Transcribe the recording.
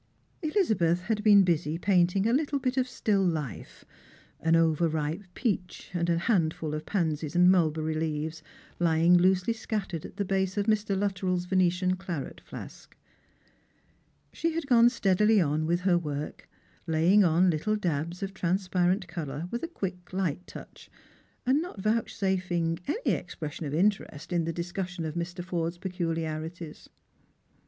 Elizabeth had been busy painting a little bit of still life — an over ripe peach and a handful of pansies and mulberry leaves lying loosely scattered at the base of Mr, Luttrell's Venetian claret flask, She had gone steadily on with her work, laying on little dabs of transparent colour with a quick light touch, and not vouchsafing any exiDression of interest in the discussion of Mr. Forde's peculiarities.